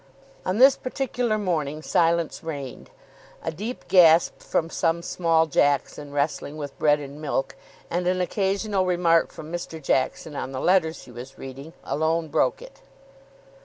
On this particular morning silence reigned. A deep gasp from some small Jackson, wrestling with bread and milk, and an occasional remark from Mr. Jackson on the letters he was reading, alone broke it.